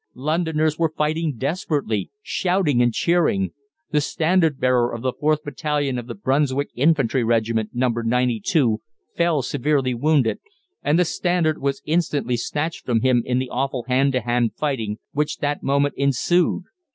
Londoners were fighting desperately, shouting and cheering. The standard bearer of the 4th Battalion of the Brunswick Infantry Regiment, No. 92, fell severely wounded, and the standard was instantly snatched from him in the awful hand to hand fighting which that moment ensued.